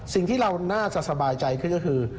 สิ่งที่เราน่าจะสบายใจขึ้นก็คือ